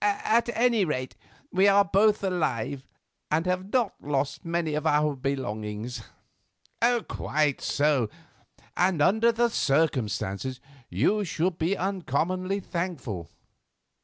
"At any rate, we are both alive and have not lost many of our belongings." "Quite so; and under the circumstances you should be uncommonly thankful.